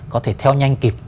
có thể theo nhanh kịp